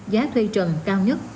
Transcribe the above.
giá thuê trần cao nhất